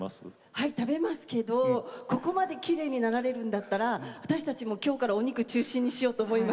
はい食べますけどここまできれいになられるんだったら私たちも今日からお肉中心にしようと思いました。